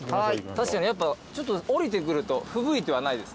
確かにやっぱ下りてくるとふぶいてはないですね。